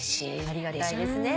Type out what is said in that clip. ありがたいですね。